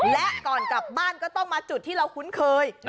และก่อนกลับบ้านก็ต้องมาจุดที่เราคุ้นเคย